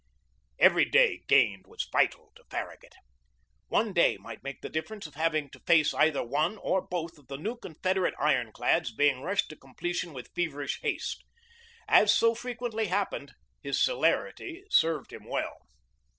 Every day gained was vital to Farragut. One $6 GEORGE DEWEY day might make the difference of having to face either one or both of the new Confederate iron clads being rushed to completion with feverish haste. As so frequently happened, his celerity served him well.